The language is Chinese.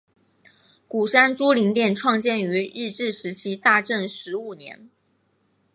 鼓山珠灵殿创建于日治时期大正十五年。